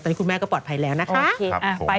ตอนนี้คุณแม่ก็ปลอดภัยแล้วนะคะ